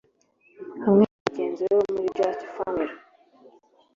Hamwe na bagenzi be bo muri Just Family